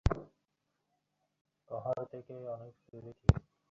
কহর থেকে অনেক দূরে কী?